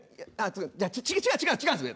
じゃ違う違うんですよ。